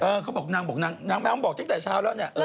เออเขาบอกนางบอกตั้งแต่เช้าแล้วเนี่ย